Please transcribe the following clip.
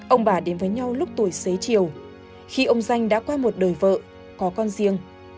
ông bà đến với nhau lúc tuổi xế chiều khi ông danh đã quay một đời vợ có con riêng